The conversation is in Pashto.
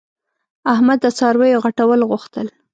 احمد د څارویو غټول غوښتل.